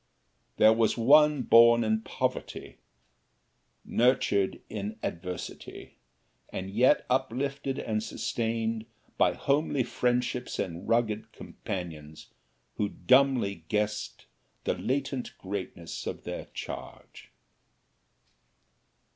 Here was one born in poverty, nurtured in adversity, and yet uplifted and sustained by homely friendships and rugged companions who dumbly guessed the latent greatness of their charge.